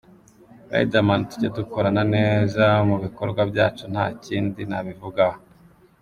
Riderman tujya dukorana neza mu bikorwa byacu nta kindi nabivugaho.